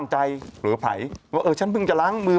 ให้หมอดู